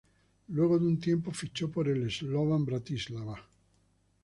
Luego de un tiempo fichó por el Slovan Bratislava.